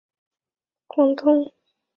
广东乡试第五十名。